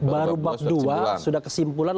baru bab dua sudah kesimpulan